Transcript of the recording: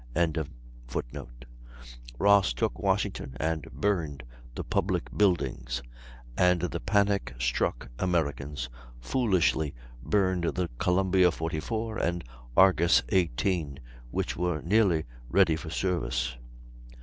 ] Ross took Washington and burned the public buildings; and the panic struck Americans foolishly burned the Columbia, 44, and Argus, 18, which were nearly ready for service.